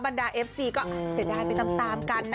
ดาเอฟซีก็เสียดายไปตามกันนะ